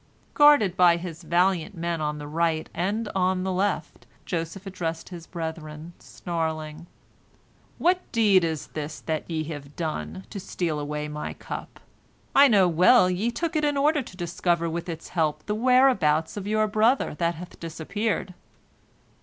Guarded by his valiant men on the right and on the left, Joseph addressed his brethren, snarling, "What deed is this that ye have done, to steal away my cup? I know well, ye took it in order to discover with its help the whereabouts of your brother that hath disappeared."